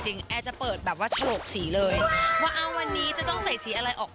เธอพรหมดจาก